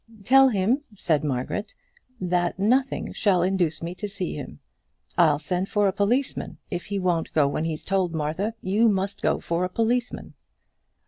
"Tell him," said Margaret, "that nothing shall induce me to see him. I'll send for a policeman. If he won't go when he's told, Martha, you must go for a policeman."